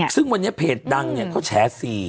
ซึ่งวันนี้เพจดังเขาแฉ๔